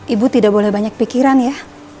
ibu tidak boleh banyak pikiran ya